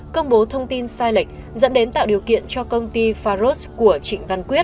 công bố thông tin sai lệch dẫn đến tạo điều kiện cho công ty faros của trịnh văn quyết